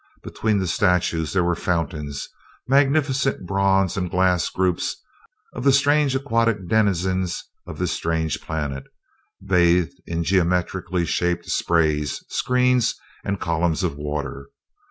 Between the statues there were fountains, magnificent bronze and glass groups of the strange aquatic denizens of this strange planet, bathed in geometrically shaped sprays, screens, and columns of water.